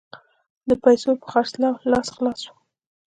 د پیسو په خرڅولو لاس خلاص وو.